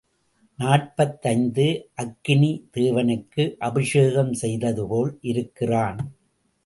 நாற்பத்தைந்து அக்கினி தேவனுக்கு அபிஷேகம் செய்ததுபோல் இருக்கிறான்.